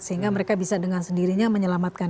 sehingga mereka bisa dengan sendirinya menyelamatkan